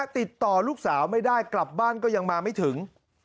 ติดต่อลูกสาวไม่ได้กลับบ้านก็ยังมาไม่ถึง